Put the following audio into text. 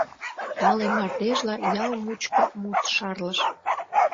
Тале мардежла ял мучко мут шарлыш.